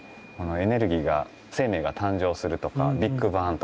エネルギーが生命が誕生するとかビッグバンとかですね。